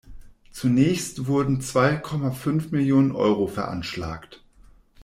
Zunächst wurden zwei Komma fünf Millionen Euro veranschlagt.